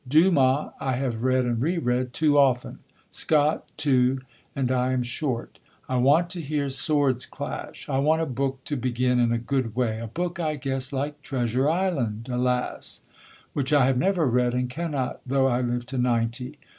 Dumas I have read and reread too often; Scott, too, and I am short. I want to hear swords clash. I want a book to begin in a good way; a book, I guess, like Treasure Island, alas! which I have never read, and cannot though I live to ninety.